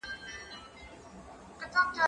هغه څوک چي اوبه څښي قوي وي،